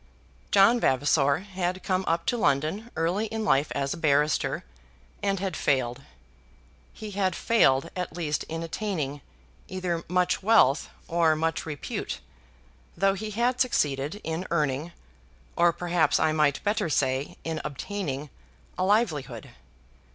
John Vavasor had come up to London early in life as a barrister, and had failed. He had failed at least in attaining either much wealth or much repute, though he had succeeded in earning, or perhaps I might better say, in obtaining, a livelihood.